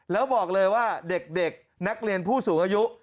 แล้วบอกเลยว่าเด็กนักเรียนผู้สูงอายุ